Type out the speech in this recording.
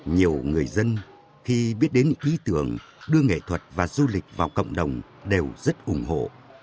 nhiều người dân khi biết đến ý tưởng đưa nghệ thuật và du lịch vào cộng đồng đều rất ủng hộ